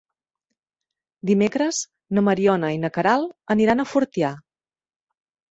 Dimecres na Mariona i na Queralt aniran a Fortià.